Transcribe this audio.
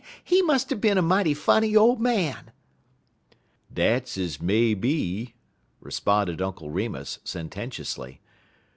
"He must have been a mighty funny old man." "Dat's ez may be," responded Uncle Remus, sententiously.